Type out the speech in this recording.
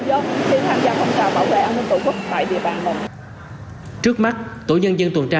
dân khi tham gia phòng trà bảo vệ an ninh tổ quốc tại địa bàn mình trước mắt tổ nhân dân tuần tra